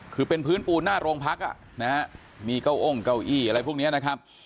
คือเป็นพื้นปูนหน้าโรงพักมีเก้าอ้งเก้าอี้อะไรพวกนี้นะครับ